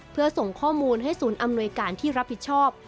เพื่อส่งข้อมูลให้ศูนย์อำนวยการที่รับผิดชอบ